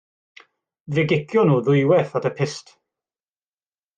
Fe gicion nhw ddwywaith at y pyst.